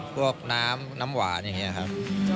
พวกน้ำน้ำหวานอย่างนี้ครับ